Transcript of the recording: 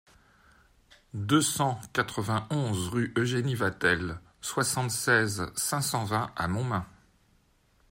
deux cent quatre-vingt-onze rue Eugénie Watteel, soixante-seize, cinq cent vingt à Montmain